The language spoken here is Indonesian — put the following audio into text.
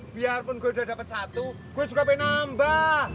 biarpun gue udah dapet satu gue juga pengen nambah